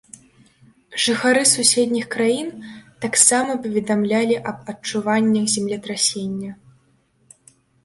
Жыхары суседніх краін таксама паведамлялі аб адчуваннях землетрасення.